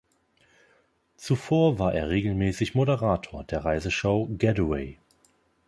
Zuvor war er regelmäßig Moderator der Reise-Show "Getaway".